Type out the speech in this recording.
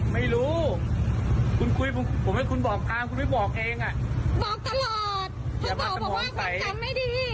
บอกตลอดเพราะบอกว่าความจำไม่ดี